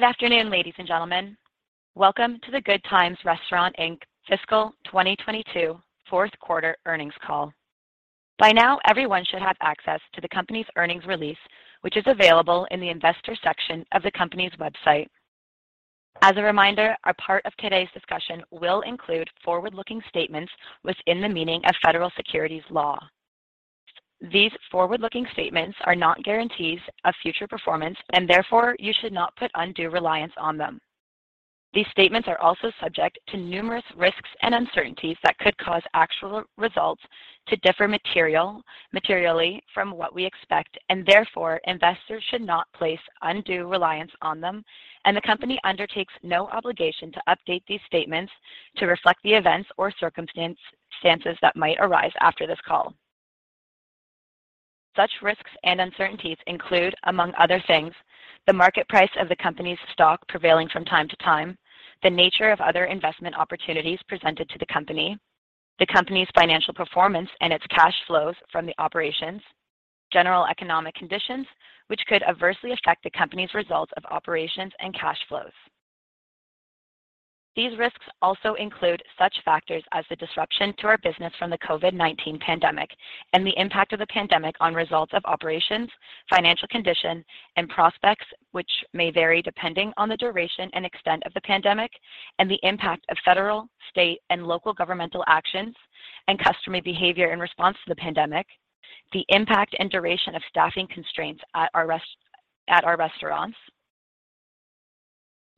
Good afternoon, ladies and gentlemen. Welcome to the Good Times Restaurants Inc. Fiscal 2022 fourth quarter earnings call. By now, everyone should have access to the company's earnings release, which is available in the investor section of the company's website. As a reminder, a part of today's discussion will include forward-looking statements within the meaning of federal securities laws. These forward-looking statements are not guarantees of future performance, and therefore, you should not put undue reliance on them. These statements are also subject to numerous risks and uncertainties that could cause actual results to differ materially from what we expect, and therefore, investors should not place undue reliance on them, and the company undertakes no obligation to update these statements to reflect the events or circumstances that might arise after this call. Such risks and uncertainties include, among other things, the market price of the company's stock prevailing from time to time, the nature of other investment opportunities presented to the company, the company's financial performance and its cash flows from the operations, general economic conditions, which could adversely affect the company's results of operations and cash flows. These risks also include such factors as the disruption to our business from the COVID-19 pandemic and the impact of the pandemic on results of operations, financial condition, and prospects which may vary depending on the duration and extent of the pandemic and the impact of federal, state, and local governmental actions and customer behavior in response to the pandemic, the impact and duration of staffing constraints at our restaurants.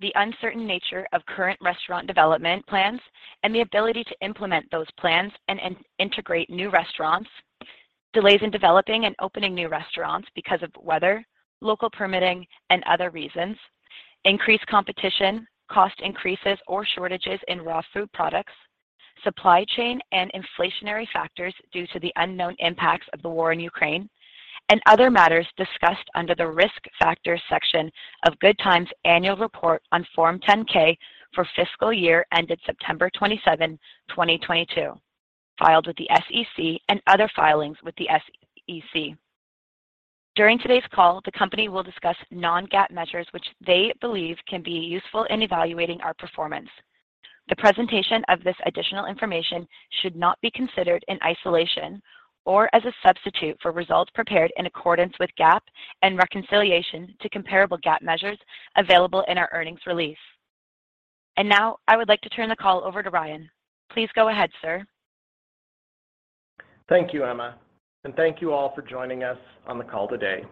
The uncertain nature of current restaurant development plans and the ability to implement those plans and integrate new restaurants, delays in developing and opening new restaurants because of weather, local permitting, and other reasons, increased competition, cost increases or shortages in raw food products, supply chain and inflationary factors due to the unknown impacts of the war in Ukraine, and other matters discussed under the Risk Factors section of Good Times' annual report on Form 10-K for fiscal year ended September 27, 2022, filed with the SEC and other filings with the SEC. During today's call, the company will discuss non-GAAP measures which they believe can be useful in evaluating our performance. The presentation of this additional information should not be considered in isolation or as a substitute for results prepared in accordance with GAAP and reconciliation to comparable GAAP measures available in our earnings release. Now I would like to turn the call over to Ryan. Please go ahead, sir. Thank you, Emma, thank you all for joining us on the call today.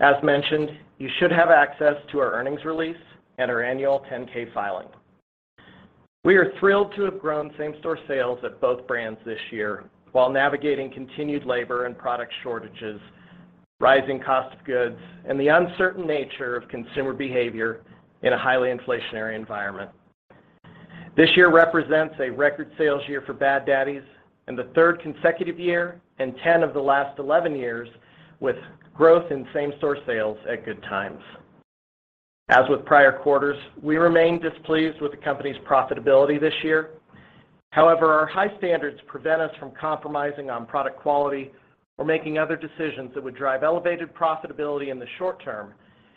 As mentioned, you should have access to our earnings release and our annual 10-K filing. We are thrilled to have grown same-store sales at both brands this year while navigating continued labor and product shortages, rising cost of goods, and the uncertain nature of consumer behavior in a highly inflationary environment. This year represents a record sales year for Bad Daddy's and the third consecutive year in 10 of the last 11 years with growth in same-store sales at Good Times. As with prior quarters, we remain displeased with the company's profitability this year. However, our high standards prevent us from compromising on product quality or making other decisions that would drive elevated profitability in the short term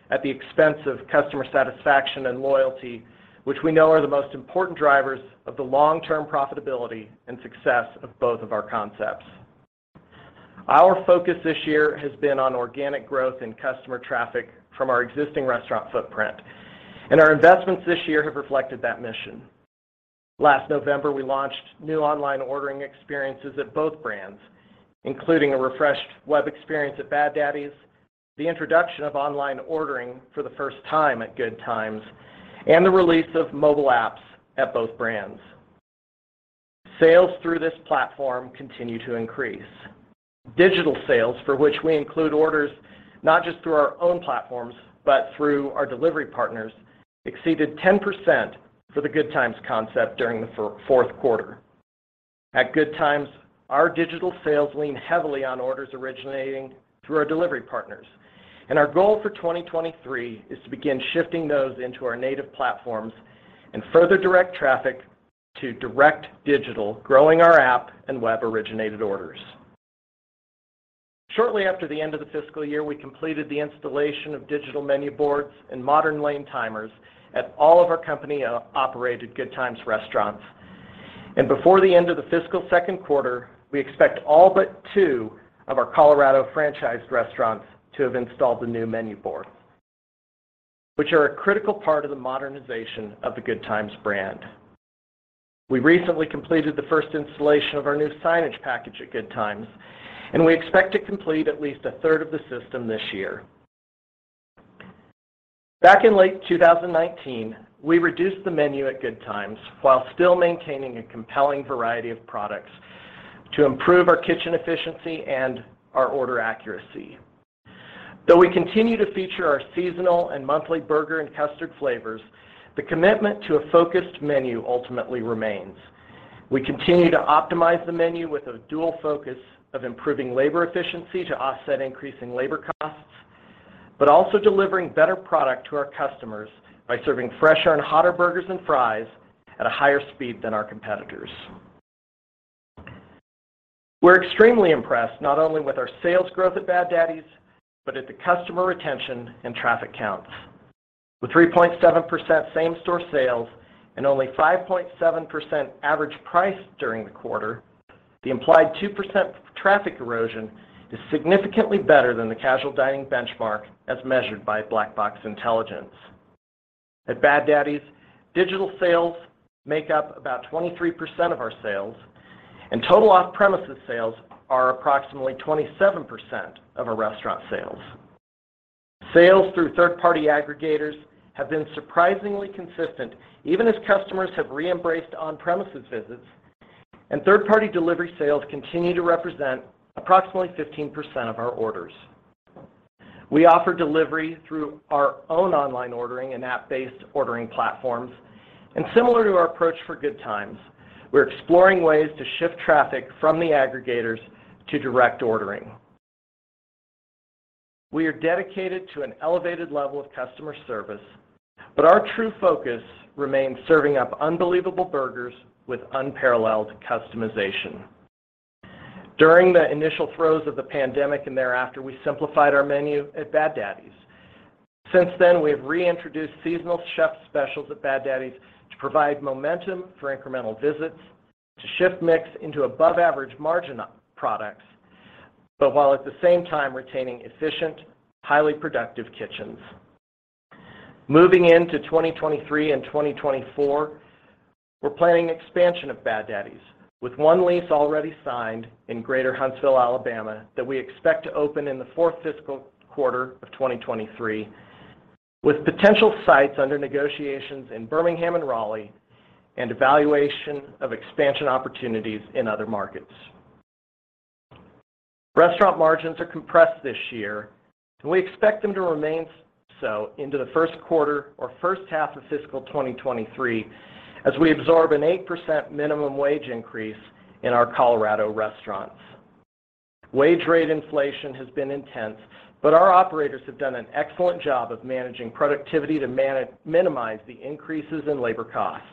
at the expense of customer satisfaction and loyalty, which we know are the most important drivers of the long-term profitability and success of both of our concepts. Our focus this year has been on organic growth in customer traffic from our existing restaurant footprint, and our investments this year have reflected that mission. Last November, we launched new online ordering experiences at both brands, including a refreshed web experience at Bad Daddy's, the introduction of online ordering for the first time at Good Times, and the release of mobile apps at both brands. Sales through this platform continue to increase. Digital sales, for which we include orders not just through our own platforms but through our delivery partners, exceeded 10% for the Good Times concept during the fourth quarter. At Good Times, our digital sales lean heavily on orders originating through our delivery partners, our goal for 2023 is to begin shifting those into our native platforms and further direct traffic to direct digital, growing our app and web-originated orders. Shortly after the end of the fiscal year, we completed the installation of digital menu boards and modern lane timers at all of our company operated Good Times restaurants. Before the end of the fiscal second quarter, we expect all but two of our Colorado franchised restaurants to have installed the new menu board, which are a critical part of the modernization of the Good Times brand. We recently completed the first installation of our new signage package at Good Times, and we expect to complete at least a third of the system this year. Back in late 2019, we reduced the menu at Good Times while still maintaining a compelling variety of products to improve our kitchen efficiency and our order accuracy. We continue to feature our seasonal and monthly burger and custard flavors, the commitment to a focused menu ultimately remains. We continue to optimize the menu with a dual focus of improving labor efficiency to offset increasing labor costs, but also delivering better product to our customers by serving fresher and hotter burgers and fries at a higher speed than our competitors. We're extremely impressed not only with our sales growth at Bad Daddy's, but at the customer retention and traffic counts. With 3.7% same-store sales and only 5.7% average price during the quarter, the implied 2% traffic erosion is significantly better than the casual dining benchmark as measured by Black Box Intelligence. At Bad Daddy's, digital sales make up about 23% of our sales, and total off-premises sales are approximately 27% of our restaurant sales. Sales through third-party aggregators have been surprisingly consistent even as customers have re-embraced on-premises visits, and third-party delivery sales continue to represent approximately 15% of our orders. We offer delivery through our own online ordering and app-based ordering platforms, and similar to our approach for Good Times, we're exploring ways to shift traffic from the aggregators to direct ordering. We are dedicated to an elevated level of customer service, but our true focus remains serving up unbelievable burgers with unparalleled customization. During the initial throes of the pandemic and thereafter, we simplified our menu at Bad Daddy's. Since then, we have reintroduced seasonal chef specials at Bad Daddy's to provide momentum for incremental visits to shift mix into above-average margin products, but while at the same time retaining efficient, highly productive kitchens. Moving into 2023 and 2024, we're planning expansion of Bad Daddy's, with one lease already signed in Greater Huntsville, Alabama, that we expect to open in the fourth fiscal quarter of 2023, with potential sites under negotiations in Birmingham and Raleigh and evaluation of expansion opportunities in other markets. Restaurant margins are compressed this year, and we expect them to remain so into the first quarter or first half of fiscal 2023 as we absorb an 8% minimum wage increase in our Colorado restaurants. Wage rate inflation has been intense, but our operators have done an excellent job of managing productivity to minimize the increases in labor cost.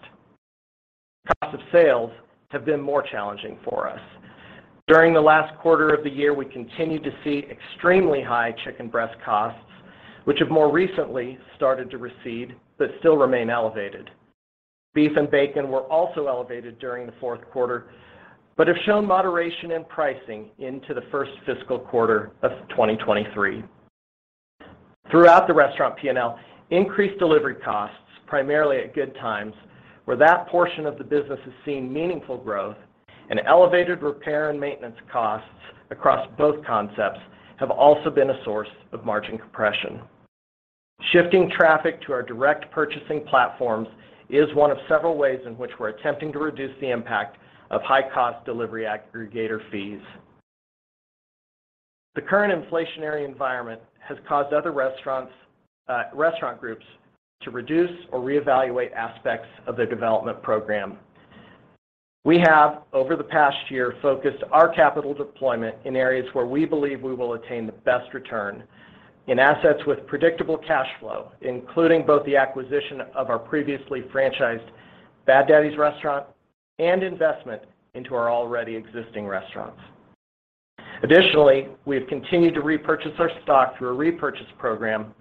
Cost of sales have been more challenging for us. During the last quarter of the year, we continued to see extremely high chicken breast costs, which have more recently started to recede but still remain elevated. Beef and bacon were also elevated during the fourth quarter but have shown moderation in pricing into the first fiscal quarter of 2023. Throughout the restaurant P&L, increased delivery costs, primarily at Good Times, where that portion of the business has seen meaningful growth, and elevated repair and maintenance costs across both concepts have also been a source of margin compression. Shifting traffic to our direct purchasing platforms is one of several ways in which we're attempting to reduce the impact of high-cost delivery aggregator fees. The current inflationary environment has caused other restaurants, restaurant groups to reduce or reevaluate aspects of their development program. We have, over the past year, focused our capital deployment in areas where we believe we will attain the best return in assets with predictable cash flow, including both the acquisition of our previously franchised Bad Daddy's restaurant and investment into our already existing restaurants. Additionally, we have continued to repurchase our stock through a repurchase program,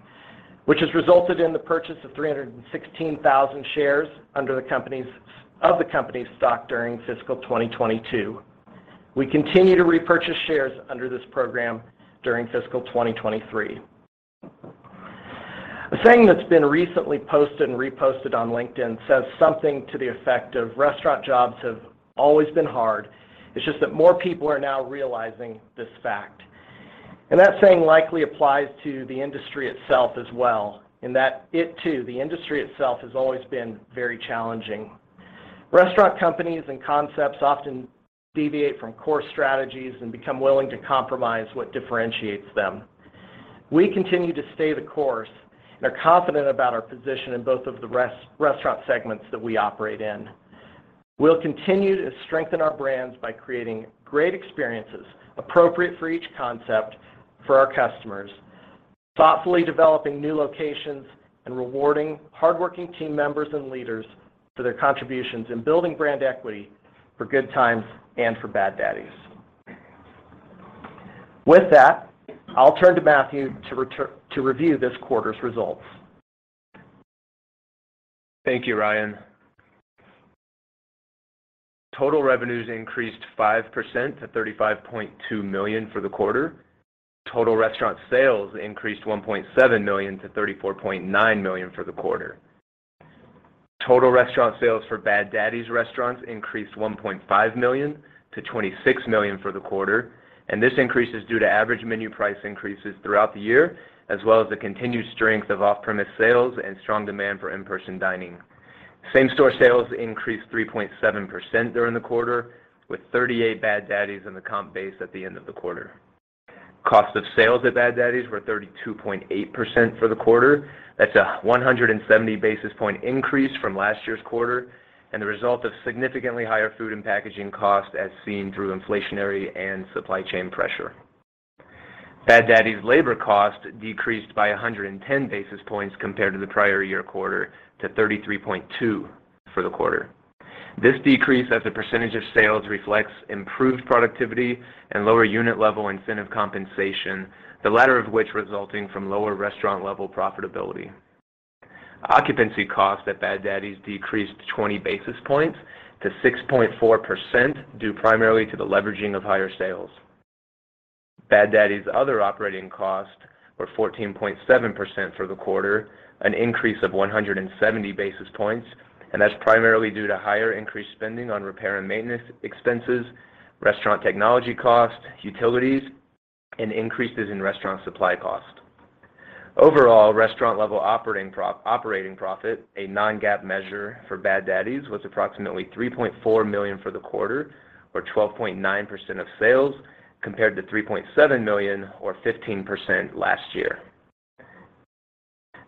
which has resulted in the purchase of 316,000 shares of the company's stock during fiscal 2022. We continue to repurchase shares under this program during fiscal 2023. A saying that's been recently posted and reposted on LinkedIn says something to the effect of, "Restaurant jobs have always been hard. It's just that more people are now realizing this fact. That saying likely applies to the industry itself as well in that it, too, the industry itself, has always been very challenging. Restaurant companies and concepts often deviate from core strategies and become willing to compromise what differentiates them. We continue to stay the course and are confident about our position in both of the restaurant segments that we operate in. We'll continue to strengthen our brands by creating great experiences appropriate for each concept for our customers, thoughtfully developing new locations, and rewarding hardworking team members and leaders for their contributions in building brand equity for Good Times and for Bad Daddy's. With that, I'll turn to Matthew to review this quarter's results. Thank you, Ryan. Total revenues increased 5% to $35.2 million for the quarter. Total restaurant sales increased $1.7 million to $34.9 million for the quarter. Total restaurant sales for Bad Daddy's restaurants increased $1.5 million to $26 million for the quarter. This increase is due to average menu price increases throughout the year, as well as the continued strength of off-premise sales and strong demand for in-person dining. Same-store sales increased 3.7% during the quarter, with 38 Bad Daddy's in the comp base at the end of the quarter. Cost of sales at Bad Daddy's were 32.8% for the quarter. That's a 170 basis points increase from last year's quarter and the result of significantly higher food and packaging costs as seen through inflationary and supply chain pressure. Bad Daddy's labor cost decreased by 110 basis points compared to the prior year quarter to 33.2% for the quarter. This decrease as a percentage of sales reflects improved productivity and lower unit level incentive compensation, the latter of which resulting from lower restaurant level profitability. Occupancy costs at Bad Daddy's decreased 20 basis points to 6.4% due primarily to the leveraging of higher sales. Bad Daddy's other operating costs were 14.7% for the quarter, an increase of 170 basis points, and that's primarily due to higher increased spending on repair and maintenance expenses, restaurant technology costs, utilities, and increases in restaurant supply costs. Overall, restaurant-level operating profit, a non-GAAP measure for Bad Daddy's, was approximately $3.4 million for the quarter or 12.9% of sales, compared to $3.7 million or 15% last year.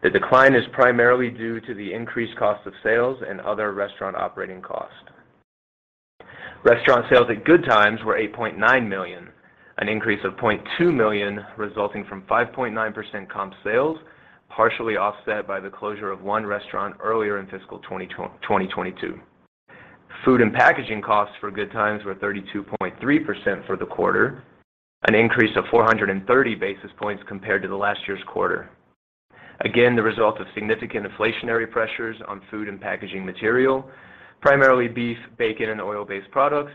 The decline is primarily due to the increased cost of sales and other restaurant operating costs. Restaurant sales at Good Times were $8.9 million, an increase of $0.2 million, resulting from 5.9% comp sales, partially offset by the closure of one restaurant earlier in fiscal 2022. Food and packaging costs for Good Times were 32.3% for the quarter, an increase of 430 basis points compared to the last year's quarter. The result of significant inflationary pressures on food and packaging material, primarily beef, bacon, and oil-based products,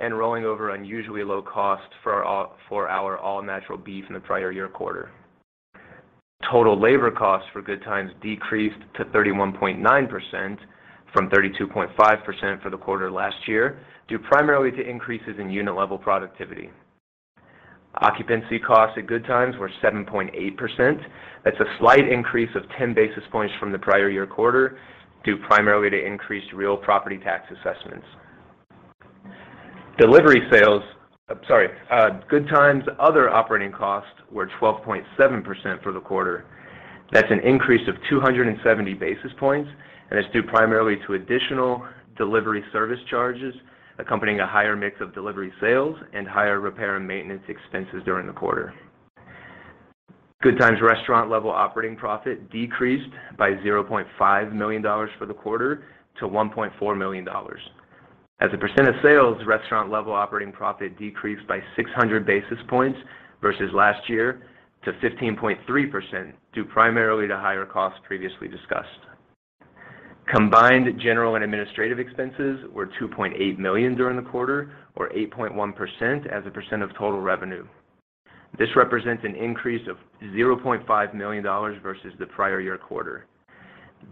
and rolling over unusually low costs for our all natural beef in the prior year quarter. Total labor costs for Good Times decreased to 31.9% from 32.5% for the quarter last year, due primarily to increases in unit-level productivity. Occupancy costs at Good Times were 7.8%. That's a slight increase of 10 basis points from the prior year quarter, due primarily to increased real property tax assessments. Good Times other operating costs were 12.7% for the quarter. That's an increase of 270 basis points, and it's due primarily to additional delivery service charges accompanying a higher mix of delivery sales and higher repair and maintenance expenses during the quarter. Good Times restaurant-level operating profit decreased by $0.5 million for the quarter to $1.4 million. As a percent of sales, restaurant-level operating profit decreased by 600 basis points versus last year to 15.3%, due primarily to higher costs previously discussed. Combined general and administrative expenses were $2.8 million during the quarter, or 8.1% as a percent of total revenue. This represents an increase of $0.5 million versus the prior year quarter.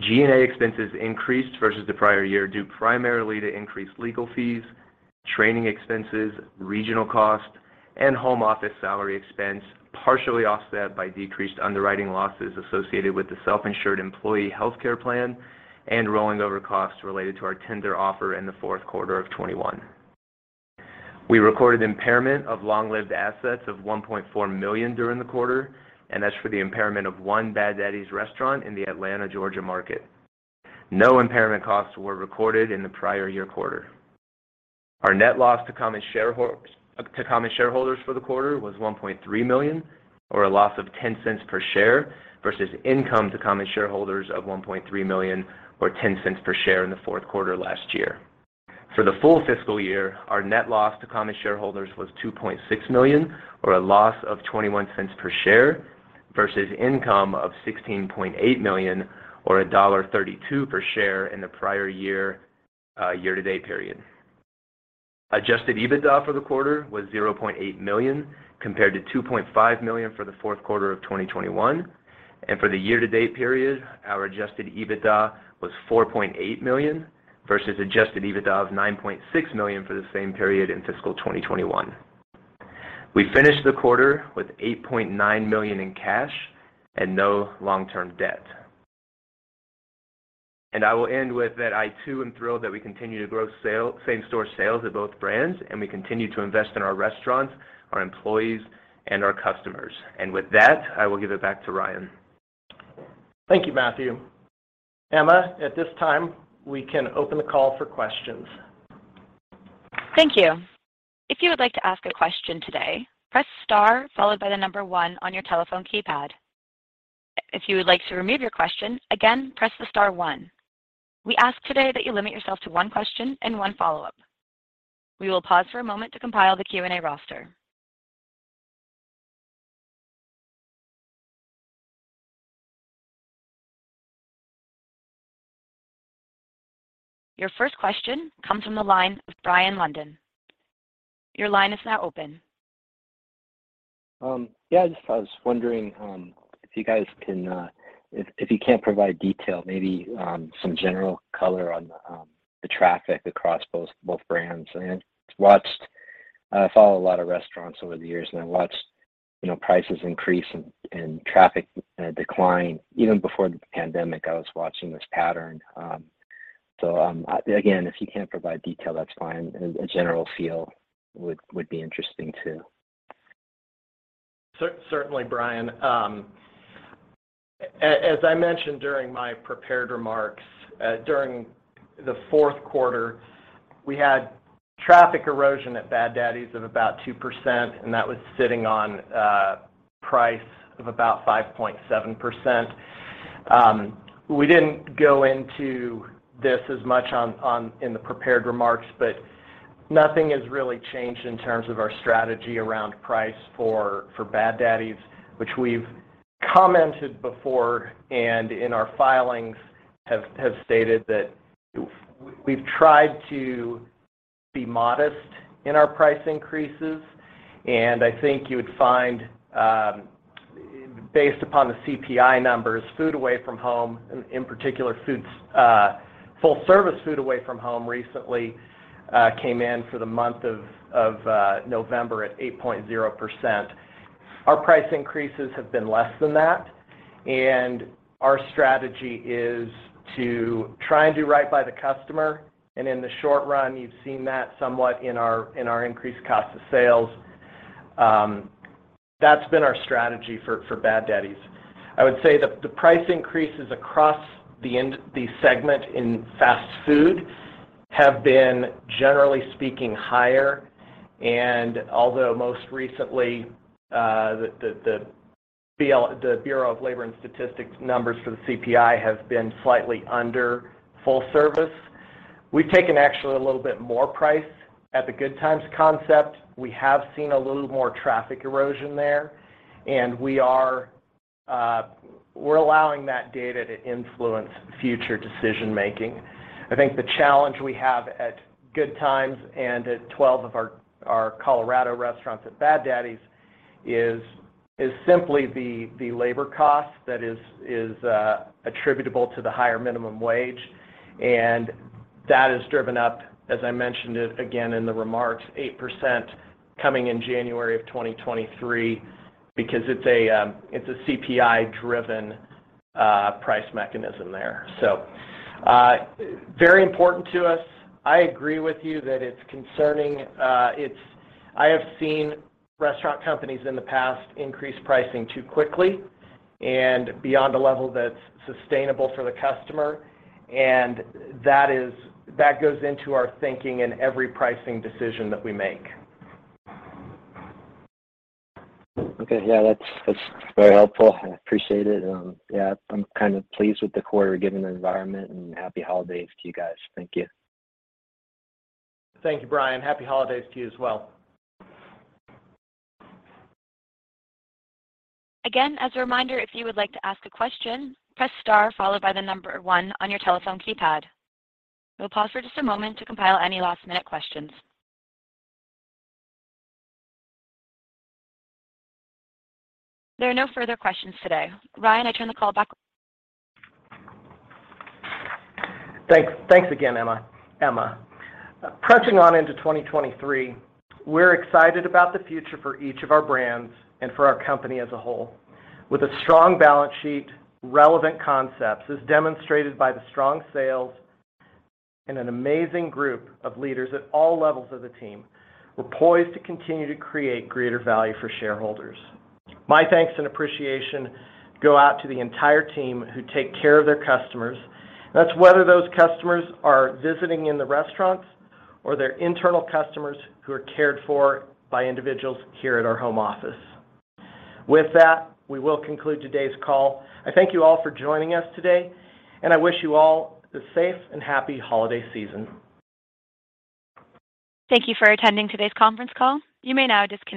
G&A expenses increased versus the prior year, due primarily to increased legal fees, training expenses, regional costs, and home office salary expense, partially offset by decreased underwriting losses associated with the self-insured employee health care plan and rolling over costs related to our tender offer in the fourth quarter of 2021. We recorded impairment of long-lived assets of $1.4 million during the quarter, and that's for the impairment of one Bad Daddy's restaurant in the Atlanta, Georgia market. No impairment costs were recorded in the prior year quarter. Our net loss to common shareholders for the quarter was $1.3 million or a loss of $0.10 per share versus income to common shareholders of $1.3 million or $0.10 per share in the fourth quarter last year. For the full fiscal year, our net loss to common shareholders was $2.6 million or a loss of $0.21 per share versus income of $16.8 million or $1.32 per share in the prior year year-to-date period. Adjusted EBITDA for the quarter was $0.8 million, compared to $2.5 million for the fourth quarter of 2021. For the year-to-date period, our adjusted EBITDA was $4.8 million versus adjusted EBITDA of $9.6 million for the same period in fiscal 2021. We finished the quarter with $8.9 million in cash and no long-term debt. I will end with that I, too, am thrilled that we continue to grow same-store sales at both brands, and we continue to invest in our restaurants, our employees, and our customers. With that, I will give it back to Ryan. Thank you, Matthew. Emma, at this time, we can open the call for questions. Thank you. If you would like to ask a question today, press star followed by the one on your telephone keypad. If you would like to remove your question, again, press the star one. We ask today that you limit yourself to one question and one follow-up. We will pause for a moment to compile the Q&A roster. Your first question comes from the line of Brian London. Your line is now open. Yeah, just I was wondering, if you guys can, if you can't provide detail, maybe, some general color on the traffic across both brands. I follow a lot of restaurants over the years, and I watched, you know, prices increase and traffic decline. Even before the pandemic, I was watching this pattern. Again, if you can't provide detail, that's fine. A general feel would be interesting too. Certainly, Brian, As I mentioned during my prepared remarks, during the fourth quarter, we had traffic erosion at Bad Daddy's of about 2%, and that was sitting on price of about 5.7%. We didn't go into this as much on in the prepared remarks, but nothing has really changed in terms of our strategy around price for Bad Daddy's, which we've commented before and in our filings have stated that we've tried to be modest in our price increases. I think you would find, based upon the CPI numbers, food away from home, in particular, full service food away from home recently, came in for the month of November at 8.0%. Our price increases have been less than that, and our strategy is to try and do right by the customer, and in the short run, you've seen that somewhat in our increased cost of sales. That's been our strategy for Bad Daddy's. I would say the price increases across the segment in fast food have been, generally speaking, higher. Although most recently, the Bureau of Labor Statistics numbers for the CPI have been slightly under full service. We've taken actually a little bit more price at the Good Times concept. We have seen a little more traffic erosion there, and we are allowing that data to influence future decision-making. I think the challenge we have at Good Times and at 12 of our Colorado restaurants at Bad Daddy's is simply the labor cost that is attributable to the higher minimum wage. That has driven up, as I mentioned it again in the remarks, 8% coming in January of 2023 because it's a CPI-driven price mechanism there. Very important to us. I agree with you that it's concerning. I have seen restaurant companies in the past increase pricing too quickly and beyond a level that's sustainable for the customer, and that goes into our thinking in every pricing decision that we make. Okay, yeah. That's very helpful. I appreciate it. Yeah, I'm kind of pleased with the quarter given the environment. Happy Holidays to you guys. Thank you. Thank you, Brian. Happy Holidays to you as well. As a reminder, if you would like to ask a question, press star followed by one on your telephone keypad. We'll pause for just a moment to compile any last-minute questions. There are no further questions today. Ryan, I turn the call back. Thanks again, Emma. Pressing on into 2023, we're excited about the future for each of our brands and for our company as a whole. With a strong balance sheet, relevant concepts, as demonstrated by the strong sales and an amazing group of leaders at all levels of the team, we're poised to continue to create greater value for shareholders. My thanks and appreciation go out to the entire team who take care of their customers. That's whether those customers are visiting in the restaurants or they're internal customers who are cared for by individuals here at our home office. With that, we will conclude today's call. I thank you all for joining us today, and I wish you all a safe and happy holiday season. Thank you for attending today's conference call. You may now disconnect.